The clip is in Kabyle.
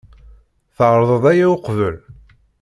Tɛerḍeḍ aya uqbel?